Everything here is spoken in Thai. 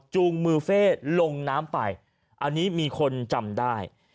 มือเฟ่ลงน้ำไปอันนี้มีคนจำได้